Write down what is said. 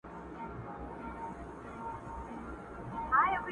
هر څه د راپور په شکل نړۍ ته وړاندي کيږي